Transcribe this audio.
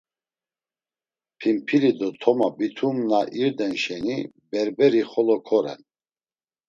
Pimpili do toma bitum na irden şeni berberi xolo koren.